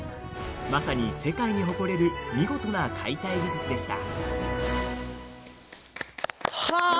まさに世界に誇れる見事な解体技術でした。